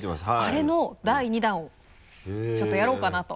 あれの第２弾をちょっとやろうかなと。